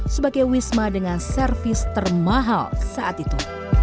sebagai wisma dengan servis termahal saat itu